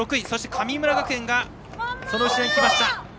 神村学園がその後ろ、来ました。